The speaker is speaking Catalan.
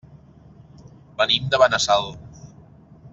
Venim de Benassal.